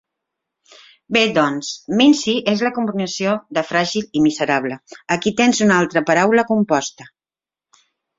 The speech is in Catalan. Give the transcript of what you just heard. Bé, doncs, mimsy és la combinació de "fràgil i miserable", aquí tens una altre paraula composta.